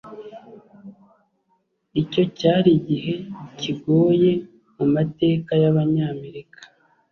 Icyo cyari igihe kigoye mumateka yabanyamerika